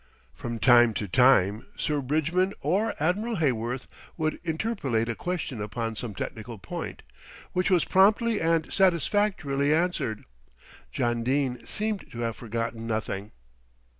From time to time Sir Bridgman or Admiral Heyworth would interpolate a question upon some technical point, which was promptly and satisfactorily answered. John Dene seemed to have forgotten nothing.